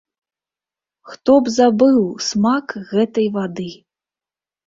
Хто б забыў смак гэтай вады?!